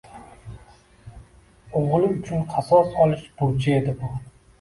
O’g’li uchun qasos olish burchi edi bu.